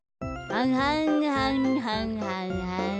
ははんはんはんはんはん。